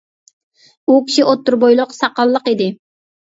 ئۇ كىشى ئوتتۇرا بويلۇق، ساقاللىق ئىدى.